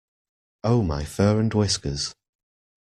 Oh my fur and whiskers!